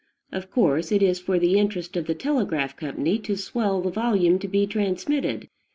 Of course, it is for the interest of the telegraph company to swell the volume to be transmitted.